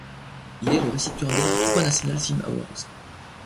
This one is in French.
Il est le récipiendaire de trois National Film Awards.